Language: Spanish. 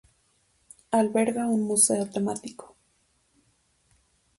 Alberga un museo temático.